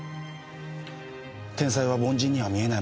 天才は凡人には見えないものが見え